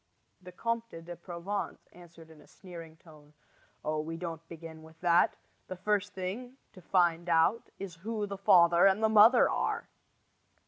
The Comte de Provence answered in a sneering tone: "Oh, we don't begin with that. The first thing to find out is who the father and the mother are!"